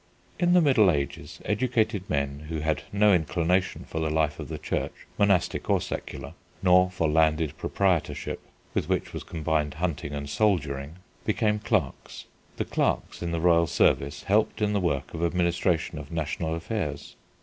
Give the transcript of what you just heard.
In the Middle Ages educated men who had no inclination for the life of the Church, monastic or secular, nor for landed proprietorship, with which was combined hunting and soldiering, became clerks. The clerks in the royal service helped in the work of administration of national affairs.